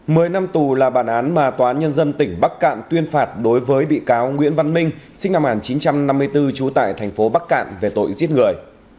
mới năm tù là bản án mà tòa án nhân dân tỉnh bắc cạn tuyên phạt đối với bị cáo nguyễn văn minh sinh năm một nghìn chín trăm năm mươi bốn trú tại thành phố bắc cạn về tội giết người